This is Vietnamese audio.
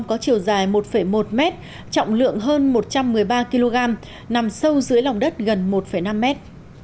có chiều dài một một mét trọng lượng hơn một trăm một mươi ba kg nằm sâu dưới lòng đất gần một năm mét